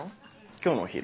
今日のお昼。